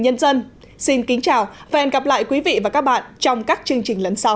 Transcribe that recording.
nhân dân xin kính chào và hẹn gặp lại quý vị và các bạn trong các chương trình lần sau